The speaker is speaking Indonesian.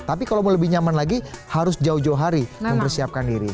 tapi kalau mau lebih nyaman lagi harus jauh jauh hari mempersiapkan diri